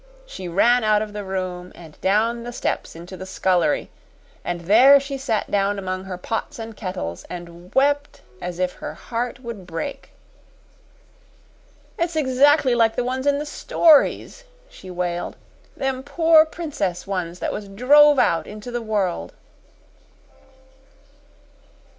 She ran out of the room and down the steps into the scullery, and there she sat down among her pots and kettles, and wept as if her heart would break. "It's exactly like the ones in the stories," she wailed. "Them pore princess ones that was drove into the world."